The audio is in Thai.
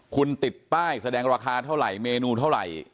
คุณติดป้ายแสดงราคาเท่าไหร่เมนูเท่าไหร่